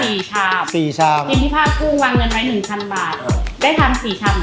ได้ทำสี่ชามเหมือนกัน